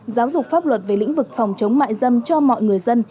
giáo dục pháp luật về lĩnh vực phòng chống mại dâm cho mọi người dân